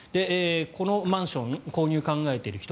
このマンション購入を考えている人